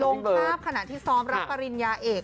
ลงภาพขณะที่ซ้อมรับปริญญาเอก